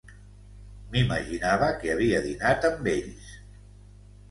M'imaginava que havia dinat amb ells.